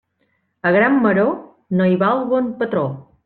A gran maror no hi val bon patró.